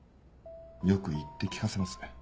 よく言って聞かせますね。